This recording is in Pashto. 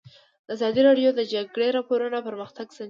ازادي راډیو د د جګړې راپورونه پرمختګ سنجولی.